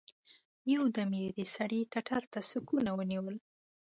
يو دم يې د سړي ټتر ته سوکان ونيول.